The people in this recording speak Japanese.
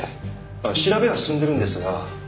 あっ調べは進んでるんですが。